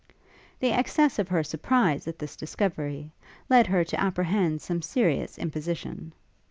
The excess of her surprize at this discovery, led her to apprehend some serious imposition.